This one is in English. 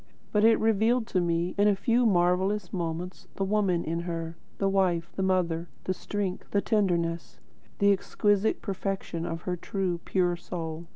But it revealed to me, in a few marvellous moments, the woman in her; the wife, the mother; the strength, the tenderness; the exquisite perfection of her true, pure soul.